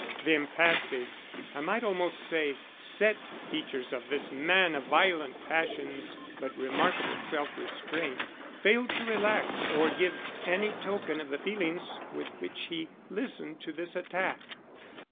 The impassive, I might almost say set features of this man of violent passions but remarkable self restraint failed to relax or give any token of the feelings with which he listened to this attack.